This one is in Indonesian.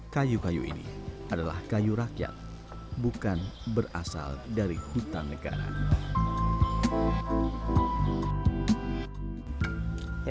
kayu kayu ini adalah kayu rakyat bukan berasal dari hutan negara